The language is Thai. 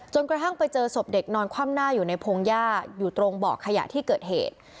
กระทั่งไปเจอศพเด็กนอนคว่ำหน้าอยู่ในพงหญ้าอยู่ตรงเบาะขยะที่เกิดเหตุ